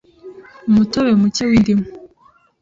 Umutobe mucye w’indimu